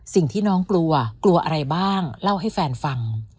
สิ่งที่น้องกลัวกลัวอะไรบ้างเล่าให้แฟนฟัง